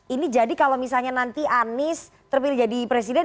ini jadi kalau misalnya nanti anies terpilih jadi presiden